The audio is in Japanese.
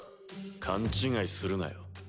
勘違いするなよ。